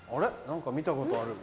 何か見たことある。